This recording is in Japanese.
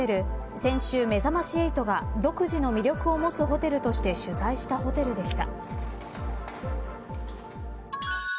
先週、めざまし８が独自の魅力を持つホテルとして取材したホテルでした。